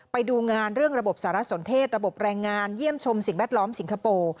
ไปดูงานเรื่องระบบสารสนเทศระบบแรงงานเยี่ยมชมสิ่งแวดล้อมสิงคโปร์